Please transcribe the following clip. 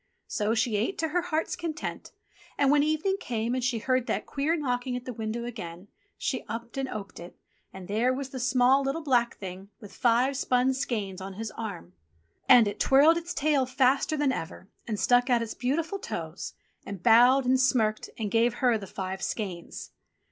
So she ate to her heart's content, and when evening came and she heard that queer knocking at the window again, she upped and oped it, and there was the small, little, black Thing with five spun skeins on his arm ! And it twirled its tail faster than ever, and stuck out its beautiful toes, and bowed and smirked and gave her the five skeins.